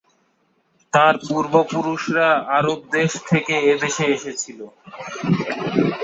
তাঁর পূর্বপুরুষরা আরব দেশ থেকে এদেশে এসেছিল।